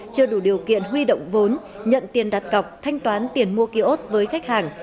chưa đủ điều kiện huy động vốn nhận tiền đặt cọc thanh toán tiền mua kiosk với khách hàng